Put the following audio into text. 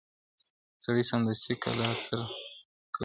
• سړي سمدستي کلا ته کړ دننه -